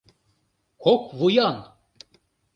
— Кок вуян!